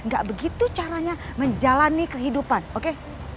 gak begitu caranya menjalani kehidupan oke